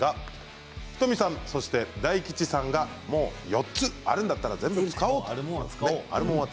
仁美さんと大吉さんが４つあるんだったら全部使おうと。